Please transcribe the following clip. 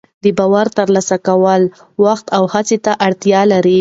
د باور ترلاسه کول وخت او هڅې ته اړتیا لري.